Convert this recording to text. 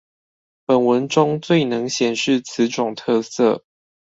本文中最能顯示此種特色